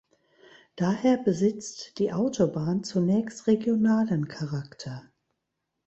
Daher besitzt die Autobahn zunächst regionalen Charakter.